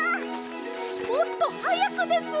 もっとはやくです！